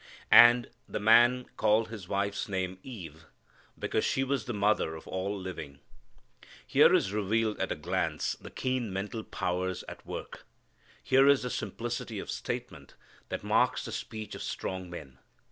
... "And the man called his wife's name Eve; because she was the mother of all living." Here is revealed at a glance the keen mental powers at work. Here is the simplicity of statement that marks the speech of strong men.